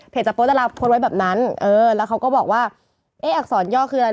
จากโป๊ดาราโพสต์ไว้แบบนั้นเออแล้วเขาก็บอกว่าเอ๊ะอักษรย่อคืออะไร